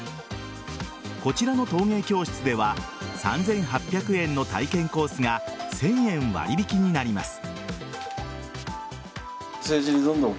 こちらの陶芸教室では３８００円の体験コースが１０００円割引になります。